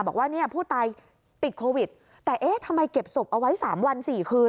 บอกว่าเนี่ยผู้ตายติดโควิดแต่เอ๊ะทำไมเก็บศพเอาไว้๓วัน๔คืน